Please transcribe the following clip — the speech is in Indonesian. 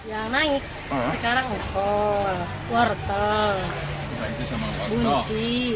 yang naik sekarang wortel kunci